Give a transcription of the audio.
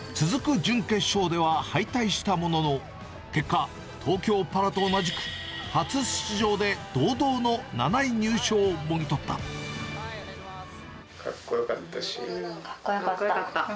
続く準決勝では敗退したものの、結果、東京パラと同じく初出場で、堂々の７位入賞をもぎ取った。